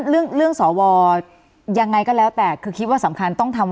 เรื่องเรื่องสวยังไงก็แล้วแต่คือคิดว่าสำคัญต้องทำ